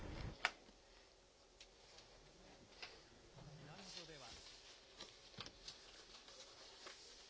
避難所では。